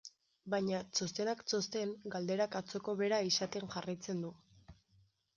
Baina, txostenak txosten, galderak atzoko bera izaten jarraitzen du.